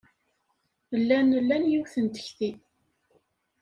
Llan lan yiwet n tekti.